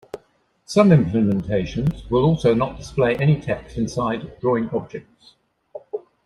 Some implementations will also not display any text inside drawing objects.